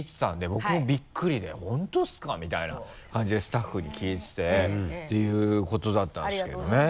僕もびっくりで「本当ですか？」みたいな感じでスタッフに聞いててっていうことだったんですけどね。